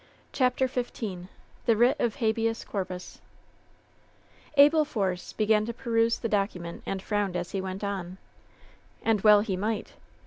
CHAPTER XV THE WEIT OF HABEAS CORPUS Abel Force began to peruse the document and f rovmed as he went on. And well he might